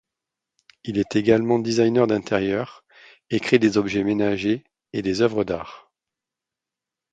Il est également designer d'intérieur et créé des objets ménagers et des œuvres d'art.